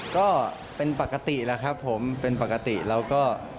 ก็เป็นปกติแล้วครับผมเป็นปกติแล้วก็